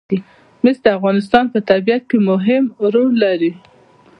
مس د افغانستان په طبیعت کې مهم رول لري.